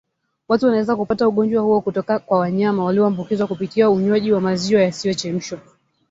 Watu wanaweza kupata ugonjwa huo kutoka kwa wanyama walioambukizwa kupitia unywaji wa maziwa yasiyochemshwa